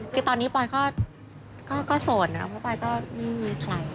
คือตอนนี้ปอยก็โสดนะเพราะปอยก็ไม่มีใคร